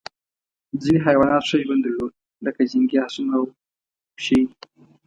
ځینې حیوانات ښه ژوند درلود لکه جنګي اسونه او پشۍ.